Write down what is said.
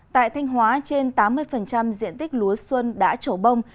tại thanh hóa trên tám mươi diện tích lúa xuân đã trổ bông